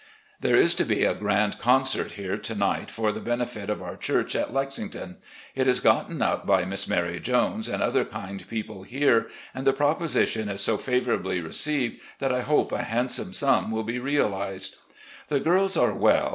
"There is to be a grand concert here to night for the benefit of our church at Lexington. It is gotten up by Miss Maiy Jones and other kind people here, and the propo sition is so favourably received that I hope a handsome sum will be realised. " The girls are well.